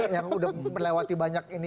yang udah melewati banyak ini